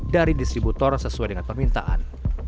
dari distributor sesuai dengan permintaan